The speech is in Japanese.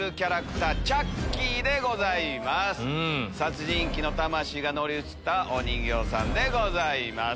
殺人鬼の魂が乗り移ったお人形さんでございます。